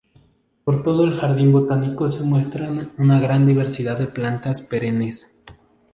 Por todo el jardín botánico se muestran una gran diversidad de plantas perennes.